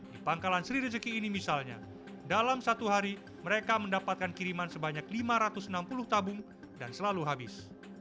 di pangkalan sri rezeki ini misalnya dalam satu hari mereka mendapatkan kiriman sebanyak lima ratus enam puluh tabung dan selalu habis